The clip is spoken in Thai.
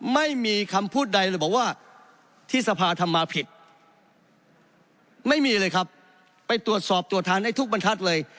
ไม่มีคำพูดใดเลยบอกว่าที่สภาทำมาผิดไม่มีเลยครับไปตรวจสอบตรวจทานได้ทุกบรรทัศน์เลย